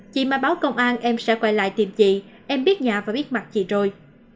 chị mà báo công an em sẽ quay lại tìm chị em biết nhà và biết mặt chị rồi